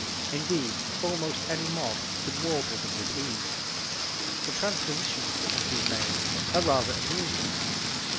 Indeed, almost any mob could warble them with ease. The transpositions that have been made are rather amusing.